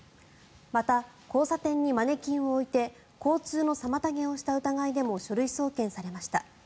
また、交差点にマネキンを置いて交通の妨げをした疑いでも書類送検されました。